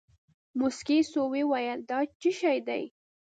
موسکى سو ويې ويل دا چي شې دي.